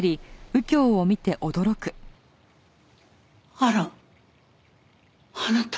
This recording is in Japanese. あらあなた。